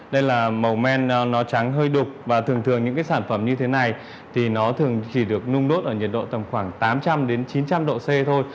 đây là màu men nó trắng hơi đục và thường thường những cái sản phẩm như thế này thì nó thường chỉ được nung đốt ở nhiệt độ tầm khoảng tám trăm linh đến chín trăm linh độ c thôi